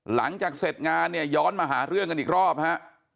หลังจากเสร็จงานเนี่ยย้อนมาหาเรื่องกันอีกรอบฮะ